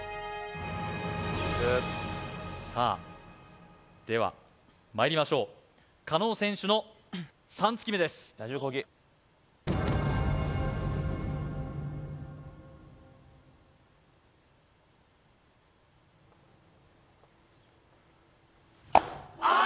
集中さあではまいりましょう加納選手の３突き目ですあー！